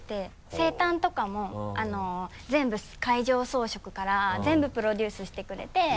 生誕とかも全部会場装飾から全部プロデュースしてくれて。